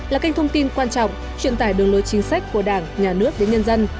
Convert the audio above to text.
là kênh thông tin quan trọng truyền tải đường lối chính sách của đảng nhà nước đến nhân dân